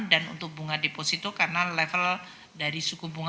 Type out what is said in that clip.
dan untuk bunga deposito karena level dari suku bunga